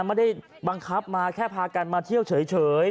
ไม่ได้บังคับมาแค่พากันมาเที่ยวเฉย